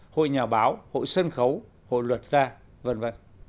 hội nhà báo hội sân khấu hội luật gia v v